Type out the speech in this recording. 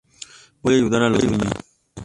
Voy a ayudar a los niños.